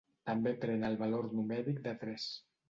També pren el valor numèric de tres.